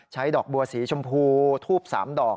ดอกบัวสีชมพูทูบ๓ดอก